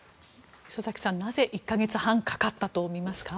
礒崎さん、なぜ１か月半かかったと見ますか？